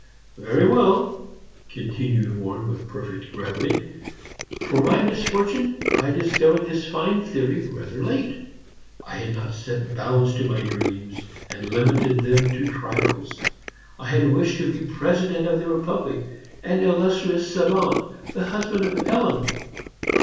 "Very well," continued Warren, with perfect gravity; "for my misfortune, I discovered this fine theory rather late. I had not set bounds to my dreams and limited them to trifles. I had wished to be President of the Republic, an illustrious savant, the husband of Ellen.